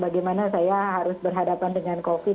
bagaimana saya harus berhadapan dengan covid sembilan belas